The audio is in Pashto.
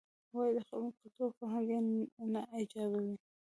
وایې د خلکو کلتور او فرهنګ یې نه ایجابوي.